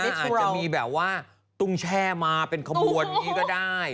อาจจะมีแบบว่าตุ้งแช่มาเป็นขบวนอย่างนี้ก็ได้